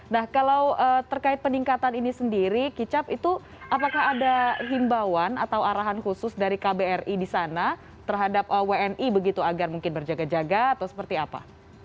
nah kalau terkait peningkatan ini sendiri kicap itu apakah ada himbauan atau arahan khusus dari kbri di sana terhadap wni begitu agar mungkin berjaga jaga atau seperti apa